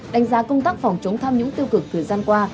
đánh giá công tác phòng chống tham nhũng tiêu cực thời gian qua